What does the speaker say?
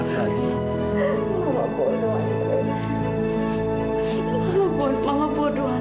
mama kadang baru kebohongan